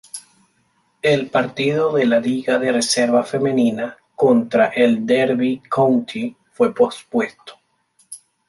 El partido de la Liga de Reserva Femenina contra el Derby County fue pospuesto.